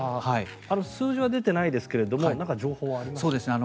数字は出ていないですが何か情報はありますか。